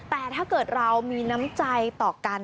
แต่ถ้าเกิดเรามีน้ำใจต่อกัน